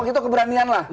itu keberanian lah